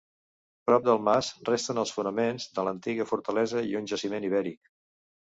Prop del mas resten els fonaments de l'antiga fortalesa i un jaciment ibèric.